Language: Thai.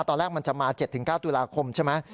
ตอนแรกมันจะมา๗๙ตุลาคมใช่ไหม